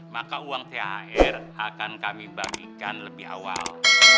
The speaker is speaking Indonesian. maka uang thr akan kami bagikan lebih awal